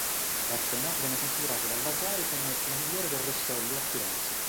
La scena venne considerata dal Vasari come la migliore del Rosselli a Firenze.